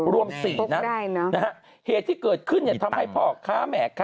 รวม๔นัดเหตุที่เกิดขึ้นทำให้พ่อค้าแม่ค้า